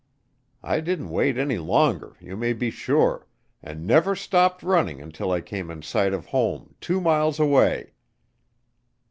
I didn't wait any longer, you may be sure, and never stopped running until I came in sight of home, two miles away!"